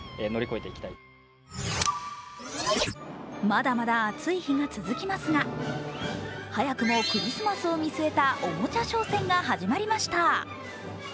まだまだ暑い日が続きますが早くもクリスマスを見据えたおもちゃ商戦が始まりました。